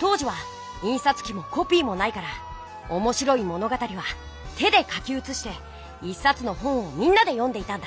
当時はいんさつきもコピーもないからおもしろい物語は手で書きうつして１さつの本をみんなで読んでいたんだ。